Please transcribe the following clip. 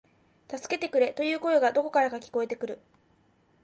助けてくれ、という声がどこからか聞こえてくる